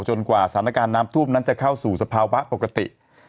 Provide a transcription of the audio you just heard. กว่าสถานการณ์น้ำท่วมนั้นจะเข้าสู่สภาวะปกติ